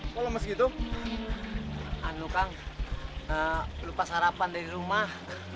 kalo kelopoan apalah